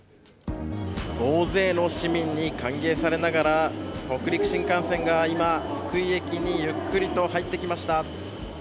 大勢の市民に歓迎されながら北陸新幹線が今、福井駅にゆっくりと入ってきました。